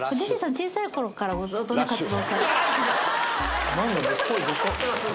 小さい頃からずっとね活動